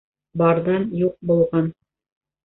Барҙан юҡ булған